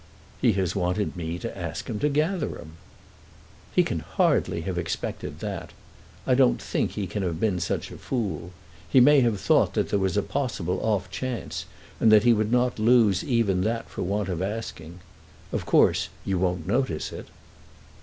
"He has wanted me to ask him to Gatherum." "He can hardly have expected that. I don't think he can have been such a fool. He may have thought that there was a possible off chance, and that he would not lose even that for want of asking. Of course you won't notice it."